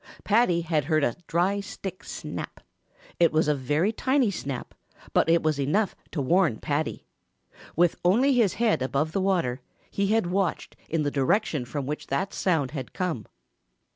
Paddy had heard a dry stick snap. It was a very tiny snap, but it was enough to warn Paddy. With only his head above water he had watched in the direction from which that sound had come.